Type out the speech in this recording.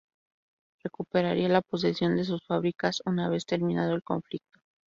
Recuperaría la posesión de sus fábricas una vez terminado el conflicto.